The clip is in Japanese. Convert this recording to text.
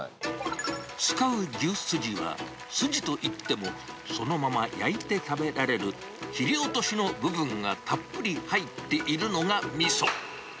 使う牛すじは、すじといっても、そのまま焼いて食べられる、切り落としの部分がたっぷり入っているのがみそ。